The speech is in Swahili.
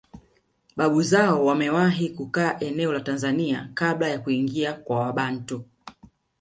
Babu zao wamewahi kukaa eneo la Tanzania kabla ya kuingia kwa Wabantu